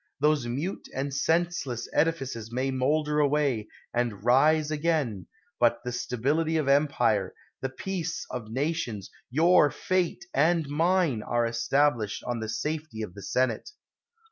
Those mute and senseless edifices may molder away, and rise again ; but the stability of empire, the peace of nations, your fate and mine, are established on the safety of the senate.